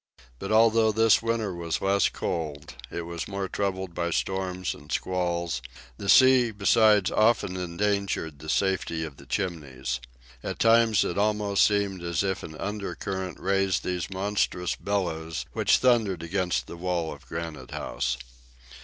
But although this winter was less cold, it was more troubled by storms and squalls; the sea besides often endangered the safety of the Chimneys. At times it almost seemed as if an under current raised these monstrous billows which thundered against the wall of Granite House.